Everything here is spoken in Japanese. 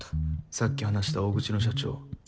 さっき話した大口の社長